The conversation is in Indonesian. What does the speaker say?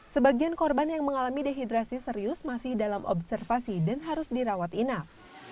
sebagian korban yang mengalami dehidrasi serius masih dalam observasi dan harus dirawat inap